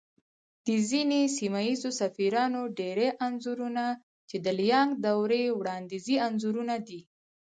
د ځينې سيمه ييزو سفيرانو ډېری انځورنه چې د ليانگ دورې وړانديزي انځورونه دي